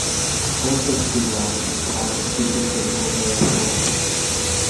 One such design is called the supercritical aerofoil.